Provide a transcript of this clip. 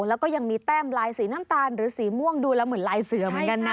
แล้วก็ยังมีแต้มลายสีน้ำตาลหรือสีม่วงดูแล้วเหมือนลายเสือเหมือนกันนะ